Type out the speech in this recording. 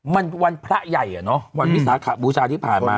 มันวันพระใหญ่วันวิสสาธารณรภาพลูชาที่ผ่านมา